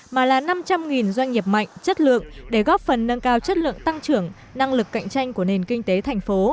mà là năm trăm linh doanh nghiệp mạnh chất lượng để góp phần nâng cao chất lượng tăng trưởng năng lực cạnh tranh của nền kinh tế thành phố